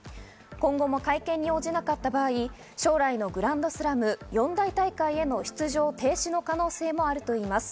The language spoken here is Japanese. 今後も会見に応じなかった場合、将来のグランドスラム四大大会の出場停止の可能性もあるといいます。